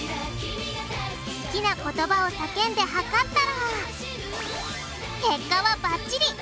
好きな言葉を叫んで測ったら結果はばっちり。